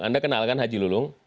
anda kenal kan haji lulung